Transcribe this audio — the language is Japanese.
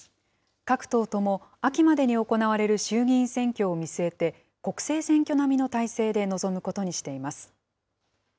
各党とも、秋までに行われる衆議院選挙を見据えて、国政選挙並みの態勢で臨むことにしています。